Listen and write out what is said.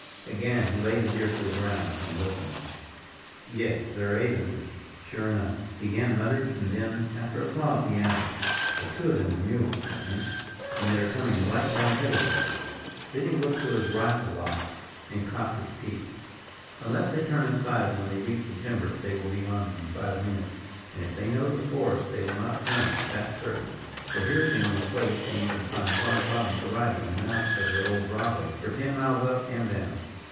Again he laid his ear to the ground and listened. "Yes, there are eight of them, sure enough," he again muttered; and then, after a pause, he added: "But two of them are mules, I think; and they are coming right down hitherward." Then he looked to his rifle lock, and cocked his piece. "Unless they turn aside when they reach the timber, they will be on me in five minutes; and if they know the forest, they will not turn, that's certain; for here's the only place where you can find hard bottom to ride in and out of the old Bravo, for ten miles up and down."